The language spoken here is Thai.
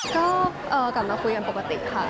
ก็กลับมาคุยกันปกติค่ะ